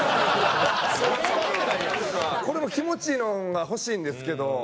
これも気持ちいいのが欲しいんですけど。